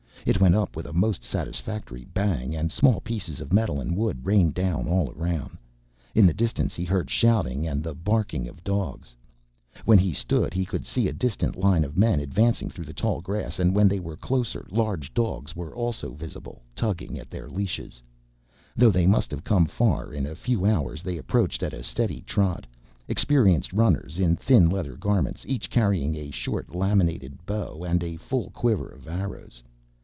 It went up with a most satisfactory bang and small pieces of metal and wood rained down all around. In the distance he heard shouting and the barking of dogs. When he stood he could see a distant line of men advancing through the tall grass and when they were closer large dogs were also visible, tugging at their leashes. Though they must have come far in a few hours they approached at a steady trot, experienced runners, in thin leather garments each carrying a short, laminated bow and a full quiver of arrows.